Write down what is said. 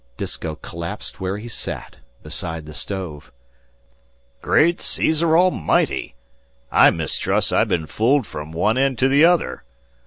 Disko collapsed where he sat, beside the stove. "Great Caesar Almighty! I mistrust I've been fooled from one end to the other.